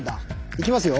いきますよ。